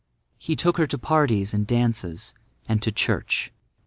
He took her to parties and dances, and to church.